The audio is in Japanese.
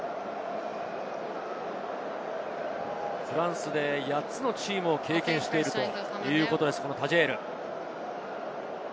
フランスで８つのチームを経験しているということです、タジェール。